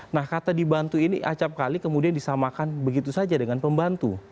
nah kata dibantu ini acapkali kemudian disamakan begitu saja dengan pembantu